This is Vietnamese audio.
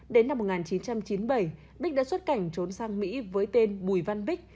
đến năm một nghìn chín trăm chín mươi bảy bích đã xuất cảnh trốn sang mỹ với tên bùi văn bích